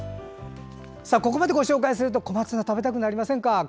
ここでご紹介すると小松菜、食べたくなりませんか？